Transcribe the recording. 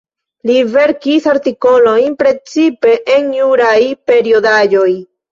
Li verkis artikolojn precipe en juraj periodaĵoj.